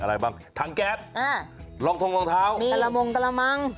อะไรบ้างถังแก๊สรองทองรองเท้ามีตารามงตารามัง